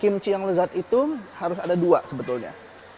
kimchi yang lezat itu harus ada dua sebetulnya